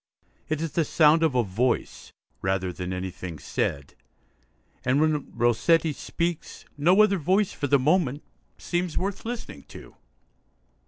It is the sound of a voice, rather than anything said; and, when Rossetti speaks, no other voice, for the moment, seems worth listening to.